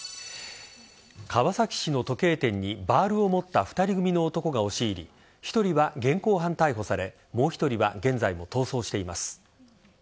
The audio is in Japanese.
川崎市の時計店にバールを持った２人組の男が押し入り１人は現行犯逮捕されもう１人は現在も逃走しています。